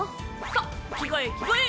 さっ着替え着替え！